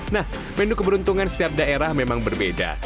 nah menu keberuntungan setiap daerah memang berbeda